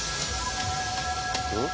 うん？